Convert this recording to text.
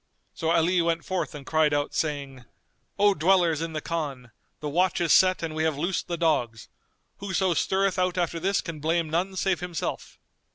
So Ali went forth and cried out, saying, "O dwellers in the Khan, the watch is set and we have loosed the dogs; whoso stirreth out after this can blame none save himself."